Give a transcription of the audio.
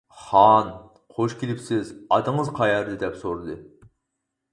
خان : «خۇش كېلىپسىز، ئاتىڭىز قەيەردە؟ » دەپ سورىدى.